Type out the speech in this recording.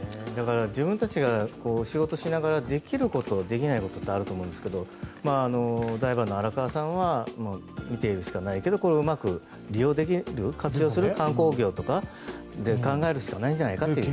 自分たちが仕事しながらできることとできないことってあると思うんですがダイバーの荒川さんは見ているしかないけどこれをうまく利用できる活用できる、観光業とかで考えるしかないんじゃないかっていう。